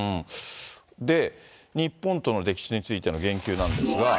で、日本との歴史についての言及なんですが。